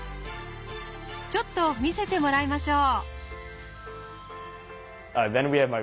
ちょっと見せてもらいましょう。